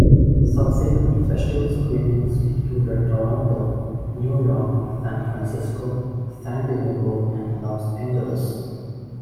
Subsequent festival screenings included Toronto, New York, San Francisco, San Diego and Los Angeles.